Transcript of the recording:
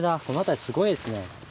この辺りすごいですね。